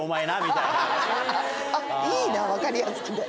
いいな分かりやすくて。